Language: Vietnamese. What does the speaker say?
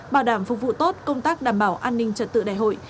bảo đảm phục vụ tốt công tác đảm bảo an ninh trật tự đại hội